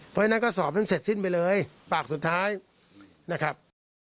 เพราะฉะนั้นก็สอบจนเสร็จสิ้นไปเลยปากสุดท้ายนะครับ